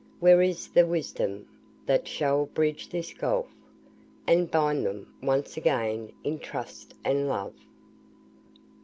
Where is the wisdom that shall bridge this gulf, And bind them once again in trust and love?"